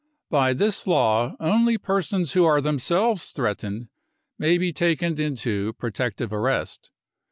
By this law only persons who are themselves threatened may be taken into protective arrest.